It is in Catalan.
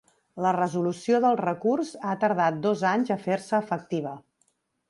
La resolució del recurs ha tardat dos anys a fer-se efectiva.